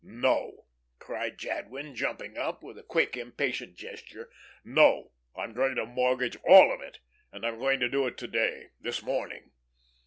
"No," cried Jadwin, jumping up with a quick impatient gesture, "no, I'm going to mortgage all of it, and I'm going to do it to day this morning.